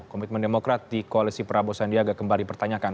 komitmen demokrat di koalisi prabowo sandiaga kembali pertanyakan